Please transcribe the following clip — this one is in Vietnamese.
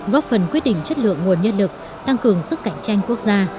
góp phần quyết định chất lượng nguồn nhân lực tăng cường sức cạnh tranh quốc gia